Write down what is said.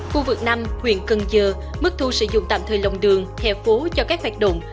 khu vực năm huyện cân dơ mức thu sử dụng tạm thời lòng đường hệ phố cho các hoạt động